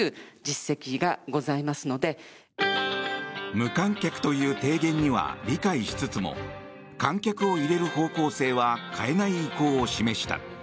無観客という提言には理解しつつも観客を入れる方向性は変えない意向を示した。